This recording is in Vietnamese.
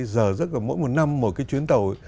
giờ dứt là mỗi một năm một cái chuyến tàu